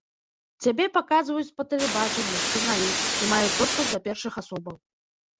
Цябе паказваюць па тэлебачанні, пазнаюць, ты маеш доступ да першых асобаў.